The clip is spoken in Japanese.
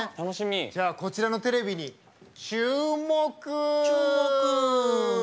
こちらのテレビに注目！